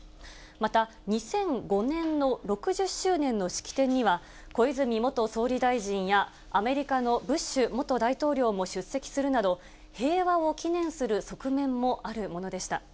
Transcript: また２００５年の６０周年の式典には、小泉元総理大臣や、アメリカのブッシュ元大統領も出席するなど、平和を祈念する側面もあるものでした。